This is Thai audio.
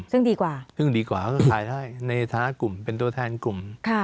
ซึ่งดีกว่าก็ขายได้ในฐานะกลุ่มเป็นตัวแทนกลุ่ม